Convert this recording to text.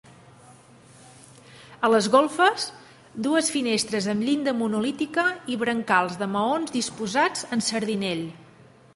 A les golfes, dues finestres amb llinda monolítica i brancals de maons disposats en sardinell.